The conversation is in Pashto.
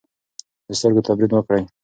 د سترګو تمرین وکړئ.